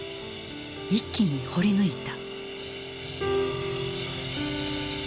一気に掘り抜いた。